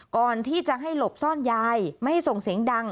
ก่อนที่จะให้หลบซ่อนยายไม่ให้ส่งเสียงดัง